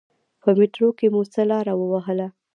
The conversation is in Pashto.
په میترو کې مو څه لاره و وهله.